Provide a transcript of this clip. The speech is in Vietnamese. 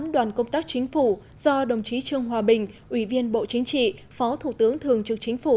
đoàn công tác chính phủ do đồng chí trương hòa bình ủy viên bộ chính trị phó thủ tướng thường trực chính phủ